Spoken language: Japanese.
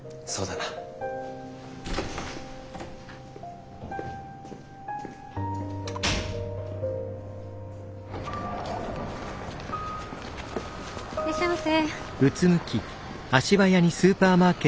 いらっしゃいませ。